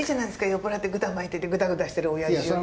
酔っ払ってくだを巻いててグダグダしてるおやじより。